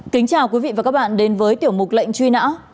kính chào quý vị và các bạn đến với tiểu mục lệnh truy nã